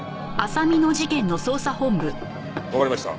わかりました。